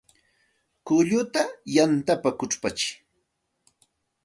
Kulluta yantapa kuchpatsiy